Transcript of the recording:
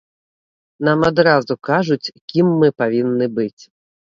Нам адразу кажуць, кім мы павінны быць.